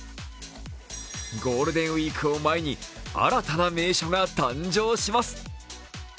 ゴールデンウイークを前に新たな名所が誕生します。